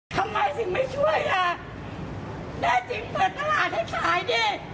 ทำไมถึงไม่ช่วยล่ะแต่จริงเปิดตลาดให้ขายดิ